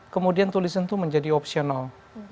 kemudian tulisan itu menjadi opsional